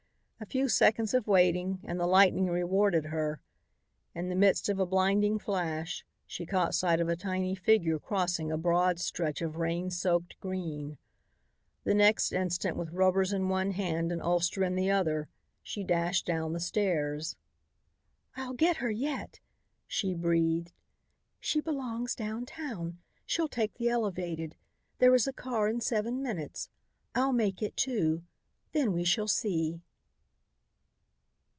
A few seconds of waiting and the lightning rewarded her. In the midst of a blinding flash, she caught sight of a tiny figure crossing a broad stretch of rain soaked green. The next instant, with rubbers in one hand and ulster in the other, she dashed down the stairs. "I'll get her yet," she breathed. "She belongs down town. She'll take the elevated. There is a car in seven minutes. I'll make it, too. Then we shall see."